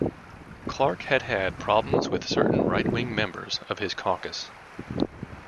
Clark had had problems with certain right-wing members of his caucus.